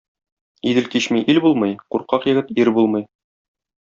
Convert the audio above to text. Идел кичми ил булмый, куркак егет ир булмый.